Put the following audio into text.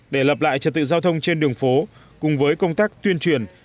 để lập lại trật tự giao thông trên đường phố cùng với công tác tuyên truyền